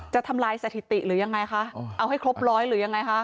ทำลายสถิติหรือยังไงคะเอาให้ครบร้อยหรือยังไงคะ